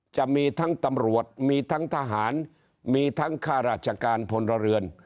จะมีทั้งตำรวจมีทั้งทหารมีทั้งข้าราชการพลเรือน